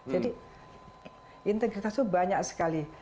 integritas itu banyak sekali